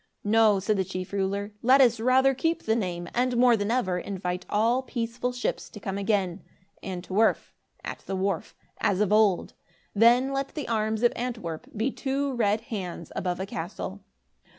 "No," said the chief ruler, "let us rather keep the name, and, more than ever, invite all peaceful ships to come again, 'an 't werf' (at the wharf), as of old. Then, let the arms of Antwerp be two red hands above a castle."